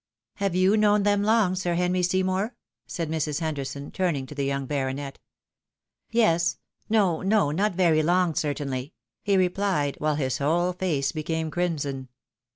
" Have you known them long, Sir Henry Seymour ?" said Mrs. Henderson, turning to the young baronet. " Yes, — no, no, not very long, certainly," he rephed, while his whole face became crimson.